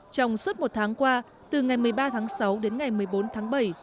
trong suốt một tháng qua từ ngày một mươi ba tháng sáu đến ngày một mươi bốn tháng bảy